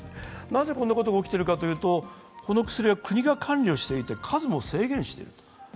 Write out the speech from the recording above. なぜこんなことが起きているかというと、国が管理をしていて数が制限されている。